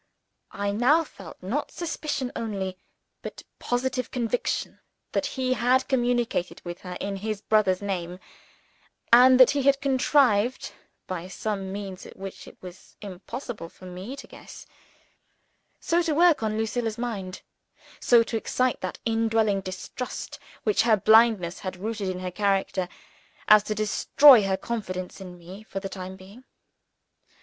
I now felt, not suspicion only, but positive conviction that he had communicated with her in his brother's name, and that he had contrived (by some means at which it was impossible for me to guess) so to work on Lucilla's mind so to excite that indwelling distrust which her blindness had rooted in her character as to destroy her confidence in me for the time being.